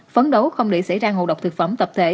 phấn đấu không để xảy ra ngộ độc thực phẩm tập thể